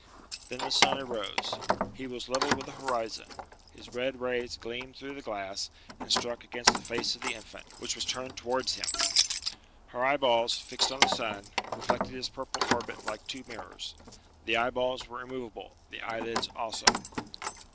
Then the sun arose. He was level with the horizon. His red rays gleamed through the glass, and struck against the face of the infant, which was turned towards him. Her eyeballs, fixed on the sun, reflected his purple orbit like two mirrors. The eyeballs were immovable, the eyelids also.